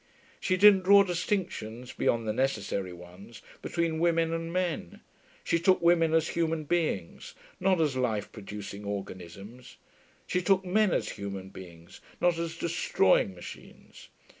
She didn't draw distinctions, beyond the necessary ones, between women and men; she took women as human beings, not as life producing organisms; she took men as human beings, not as destroying machines.